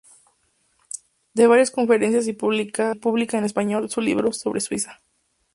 Da varias conferencias y publica en español su libro sobre Suiza.